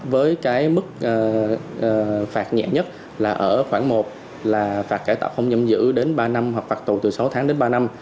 với cái mức phạt nhẹ nhất là ở khoảng một là phạt cải tạo không giam giữ đến ba năm hoặc phạt tù từ sáu tháng đến ba năm